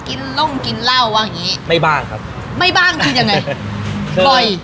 กินร่งกินเหล้าว่างงี้ไม่บ้างครับไม่บ้างกินยังไงคือ